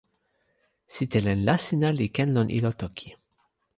sitelen Lasina li ken lon ilo toki.